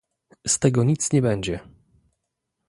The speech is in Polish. "z tego nic nie będzie!"